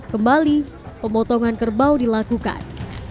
kembali pemotongan kerbau dilakukan